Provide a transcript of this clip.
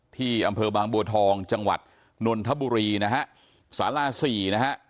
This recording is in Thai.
ที่อำเภอบางบัวทองจังหวัดนนทบุรีนะฮะสาราสี่นะฮะ